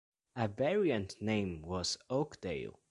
A variant name was Oakdale.